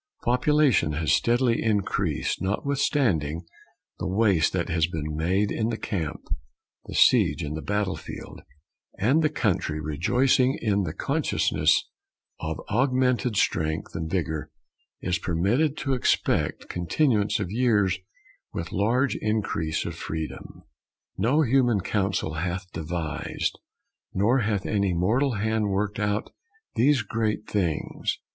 Population has steadily increased, notwithstanding the waste that has been made in the camp, the siege, and the battle field; and the country, rejoicing in the consciousness of augmented strength and vigour, is permitted to expect continuance of years with large increase of freedom. No human counsel hath devised, nor hath any mortal hand worked out these great things.